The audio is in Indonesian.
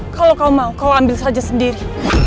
kalau kau mau kau ambil saja sendiri